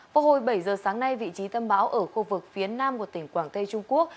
vào hồi bảy giờ sáng nay vị trí tâm bão ở khu vực phía nam của tỉnh quảng tây trung quốc